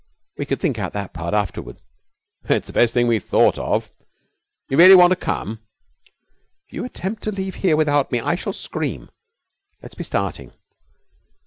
We could think out that part afterward.' 'It's the best thing we've thought of. You really want to come?' 'If you attempt to leave here without me I shall scream. Let's be starting.'